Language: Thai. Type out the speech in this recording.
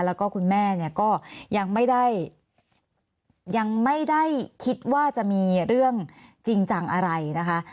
แล้วก็คุณแม่เนี่ยก็ยังไม่ได้ยังไม่ได้คิดว่าจะมีเรื่องจริงจังอะไรนะคะ